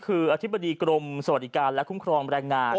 คืออธิบดีกรมสวัสดิการและคุ้มครองแรงงาน